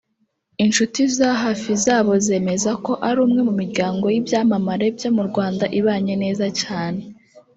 Inshuti za hafi zabo zemeza ko ari umwe mu miryango y’ibyamamare byo mu Rwanda ibanye neza cyane